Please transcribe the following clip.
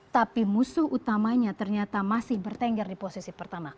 tapi musuh utamanya ternyata masih bertengger di posisi pertama